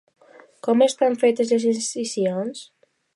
Com estan fetes les incisions?